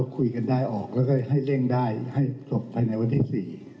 คุยกันได้ออกให้เร่งได้ให้สบในวันที่๔